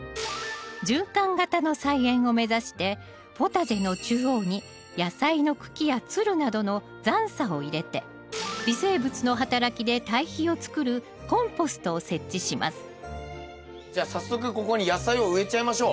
循環型の菜園を目指してポタジェの中央に野菜の茎やつるなどの残を入れて微生物の働きで堆肥をつくるコンポストを設置しますじゃあ早速ここに野菜を植えちゃいましょう。